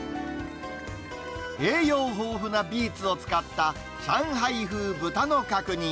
栄養豊富なビーツを使った、上海風豚の角煮。